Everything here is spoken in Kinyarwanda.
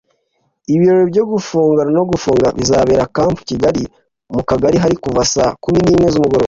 Ibirori byo gufugura no gufunga bizabera Camp Kigali mu Akagera hall kuva Saa kumi n'imwe z'umugoroba